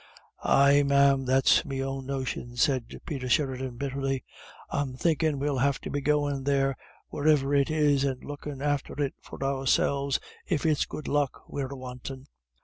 "Ay, ma'am, that's me own notion," said Peter Sheridan, bitterly; "I'm thinkin' we'll have to be goin' there, wheriver it is, and lookin' after it for ourselves, if it's good luck we're a wantin'."